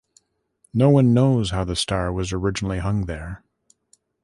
No one knows how the star was originally hung there.